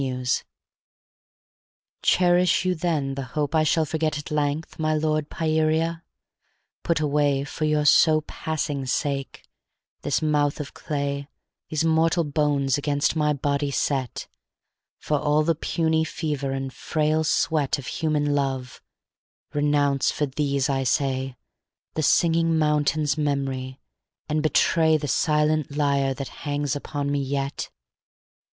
XII Cherish you then the hope I shall forget At length, my lord, Pieria? put away For your so passing sake, this mouth of clay These mortal bones against my body set, For all the puny fever and frail sweat Of human love, renounce for these, I say, The Singing Mountain's memory, and betray The silent lyre that hangs upon me yet?